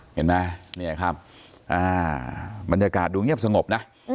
เห็นไหมเนี่ยครับบรรยากาศดูเงียบสงบนะ